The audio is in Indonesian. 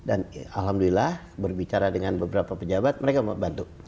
alhamdulillah berbicara dengan beberapa pejabat mereka bantu